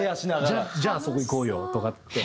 じゃああそこ行こうよとかって。